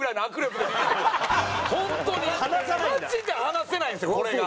マジで離せないんですよこれが。